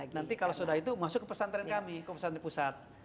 nanti kalau sudah itu masuk ke pesantren kami ke pesantren pusat